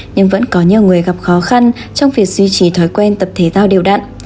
nhưng vẫn có nhiều người gặp khó khăn trong việc duy trì thói quen tập thể thao đều đặn